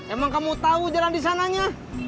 emang kamu tahu jalan di sananya